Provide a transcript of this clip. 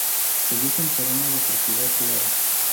Se ubica en terreno de propiedad privada.